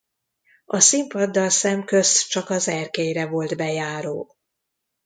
A színpaddal szemközt csak az erkélyre volt bejáró.